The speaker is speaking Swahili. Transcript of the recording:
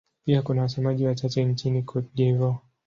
Pia kuna wasemaji wachache nchini Cote d'Ivoire.